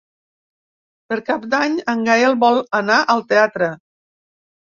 Per Cap d'Any en Gaël vol anar al teatre.